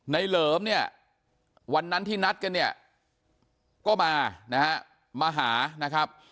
เหลิมเนี่ยวันนั้นที่นัดกันเนี่ยก็มานะฮะมาหานะครับ